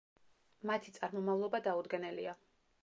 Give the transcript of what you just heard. მათი წარმომავლობა დაუდგენელია.